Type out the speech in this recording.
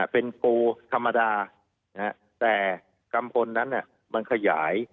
เป็นโกธรรมดาแต่กัมพลนั้นมันขยาย